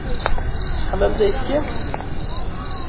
Tesseḥmam-d ayefki?